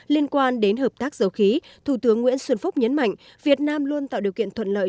liên quan đến hợp tác dầu khí thủ tướng nguyễn xuân phúc nhấn mạnh việt nam luôn tạo điều kiện thuận lợi